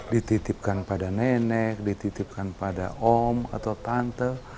dititipkan pada nenek dititipkan pada om atau tante